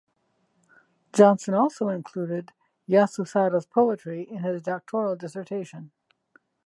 Johnson also included Yasusada's poetry in his doctoral dissertation.